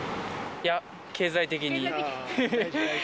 いや、経済的に。